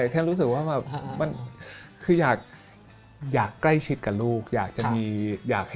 แค่รู้สึกว่า